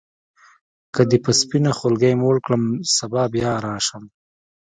که دي په سپینه خولګۍ موړ کړم سبا بیا راشم.